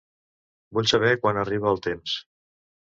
Vull saber quan arriba el temps.